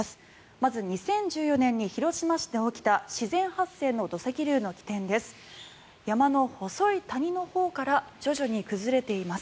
まず２０１４年に広島市で起きた自然発生の土石流の起点です。